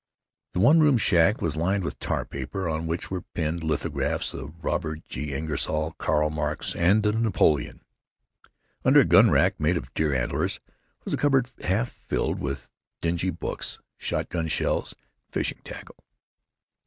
The one room shack was lined with tar paper, on which were pinned lithographs of Robert G. Ingersoll, Karl Marx, and Napoleon. Under a gun rack made of deer antlers was a cupboard half filled with dingy books, shotgun shells, and fishing tackle.